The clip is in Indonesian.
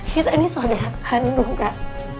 kita ini saudara kandung kak